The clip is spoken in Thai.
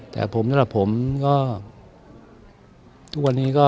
แต่ผมเนี่ยแหละผมก็ทุกวันนี้ก็